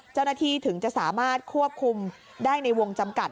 เจ้าหน้าที่ถึงจะสามารถควบคุมได้ในวงจำกัด